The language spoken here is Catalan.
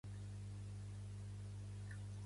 Vull anar a Nalec